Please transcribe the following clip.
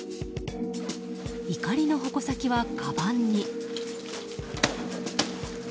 怒りの矛先は、かばんに。